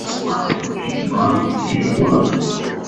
在我高中毕业时